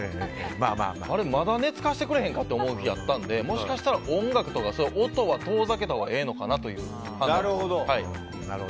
あれ、まだ寝付かしてくれへんかっていう日あったのでもしかしたら音楽とか音は遠ざけたほうがなるほど。